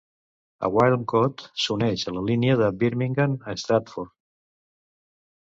A Wilmcote, s'uneix a la línia de Birmingham a Stratford.